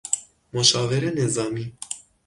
مشاور نظامی